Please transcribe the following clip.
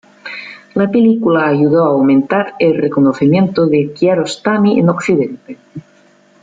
La película ayudó a aumentar el reconocimiento de Kiarostami en Occidente.